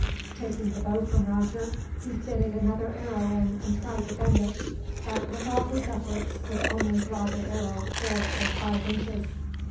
Taking the bow from Roger, he fitted another arrow in and tried to bend it; but with all his efforts could only draw the arrow four or five inches.